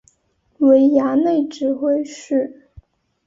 为衙内指挥使。